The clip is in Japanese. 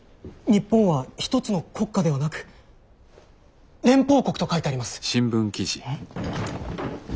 「日本は一つの国家ではなく連邦国」と書いてあります。